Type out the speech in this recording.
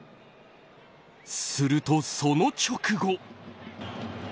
すると、その直後。